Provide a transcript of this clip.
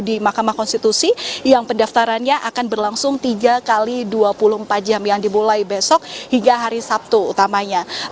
di mahkamah konstitusi yang pendaftarannya akan berlangsung tiga x dua puluh empat jam yang dimulai besok hingga hari sabtu utamanya